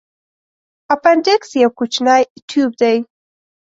اپنډکس یو کوچنی تیوب دی.